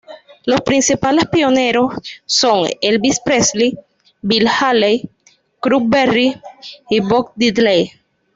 Los principales pioneros son Elvis Presley, Bill Haley, Chuck Berry y Bo Diddley.